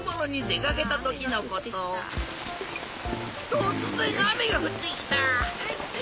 とつぜんあめがふってきた。